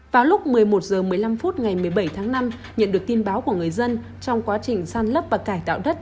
vào lúc một mươi một h một mươi năm phút ngày một mươi bảy tháng năm nhận được tin báo của người dân trong quá trình san lấp và cải tạo đất